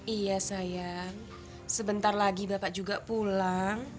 iya sayang sebentar lagi bapak juga pulang